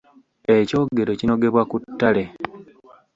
Ekyogero kinogebwa ku ttale.